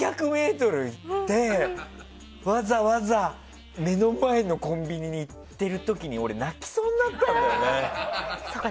４００ｍ行ってわざわざ目の前のコンビニに行ってる時に俺、泣きそうになったんだよね。